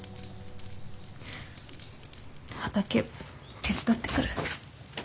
畑手伝ってくる。